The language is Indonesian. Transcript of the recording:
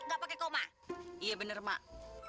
nggak pakai koma iya bener mak